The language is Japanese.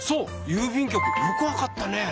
郵便局よくわかったね。